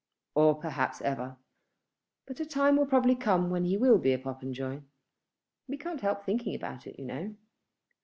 "Or perhaps ever; but a time will probably come when he will be Popenjoy. We can't help thinking about it, you know."